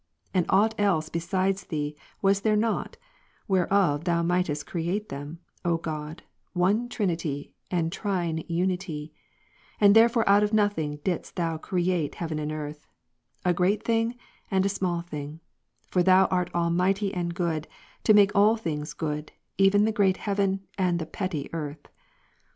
And aught else besides Thee was there not, whereof Thou mightest create them, O God, One Trinity, and Trine Unity ; and therefore out of nothing didst Thou create heaven and earth; a great thing, and a small thing; for Thou art Almighty and Good, to make all things good, even the gi eat heaven, and the petty earth.